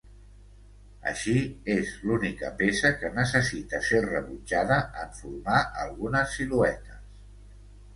Així, és l'única peça que necessita ser rebutjada en formar algunes siluetes.